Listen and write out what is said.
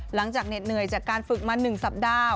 เหน็ดเหนื่อยจากการฝึกมา๑สัปดาห์